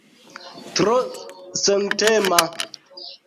Tro sentema.